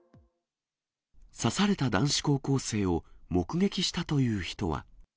刺された男子高校生を目撃したという人は。